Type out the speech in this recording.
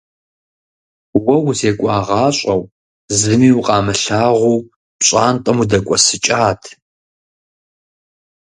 Уэ узекӀуагъащӀэу, зыми укъамылагъуу, пщӀантӀэм удэкӏуэсыкӏат.